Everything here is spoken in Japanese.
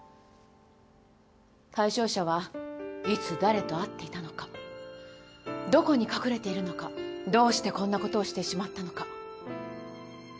対象者はいつ誰と会っていたのかどこに隠れているのかどうしてこんなことをしてしまったのか。